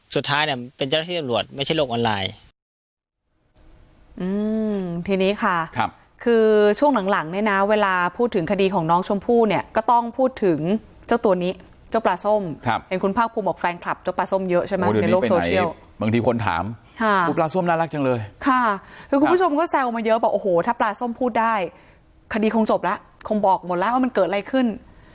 สุดท้ายเป็นเจ้าที่สำรวจไม่ใช่โรคออนไลน์